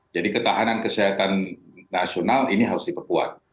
jadi ketahanan kesehatan nasional ini harus diperkuat